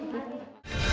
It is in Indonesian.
kita sudah tahu